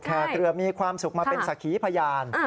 เกลือมีความสุขมาเป็นสักขีพยาน